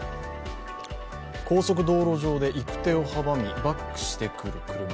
高速道路上で行く手を阻み、バックしてくる車。